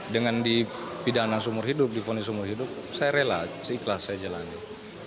dengan dipidana seumur hidup diponis seumur hidup saya rela saya ikhlas saya jalanin